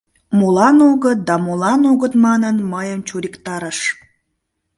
«Молан огыт?» да «молан огыт?» манын, мыйым чуриктарыш.